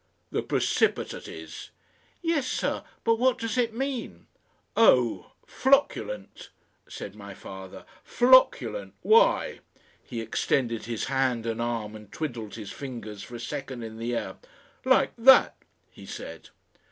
"The precipitate is." "Yes, sir, but what does it mean?" "Oh! flocculent!" said my father, "flocculent! Why " he extended his hand and arm and twiddled his fingers for a second in the air. "Like that," he said.